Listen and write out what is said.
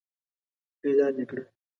اعلان يې کړل.